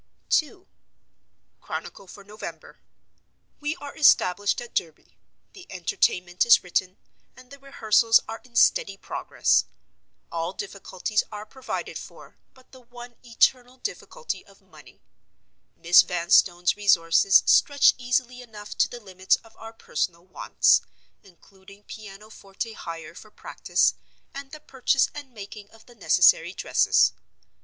II. Chronicle for November. We are established at Derby. The Entertainment is written; and the rehearsals are in steady progress. All difficulties are provided for, but the one eternal difficulty of money. Miss Vanstone's resources stretch easily enough to the limits of our personal wants; including piano forte hire for practice, and the purchase and making of the necessary dresses.